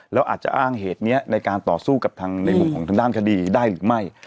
แล้วอาจจะอ้างเหตุนี้ในการต่อสู้กับทางในมุมของทางด้านคดีได้หรือไม่